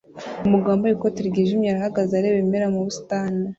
Umugabo wambaye ikoti ryijimye arahagaze areba ibimera mu busitani